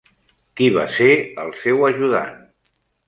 Qui va ser el seu ajudant?